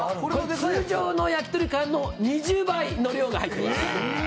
通常のやきとり缶の２０倍の量が入ってます。